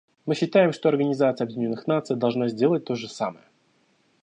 Мы считаем, что Организация Объединенных Наций должна сделать то же самое.